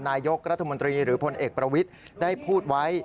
นายกรัฐมนตรีหรือพลเอกประวิทย์ได้พูดไว้